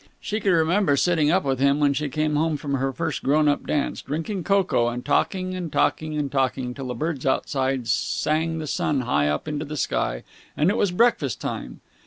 She could remember sitting up with him when she came home from her first grownup dance, drinking cocoa and talking and talking and talking till the birds outside sang the sun high up into the sky and it was breakfast time.